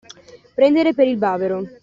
Prendere per il bavero.